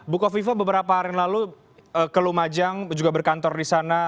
buko viva beberapa hari lalu ke lumajang juga berkantor di sana